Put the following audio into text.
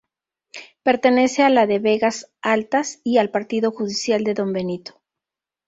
Pertenece a la de Vegas Altas y al Partido judicial de Don Benito.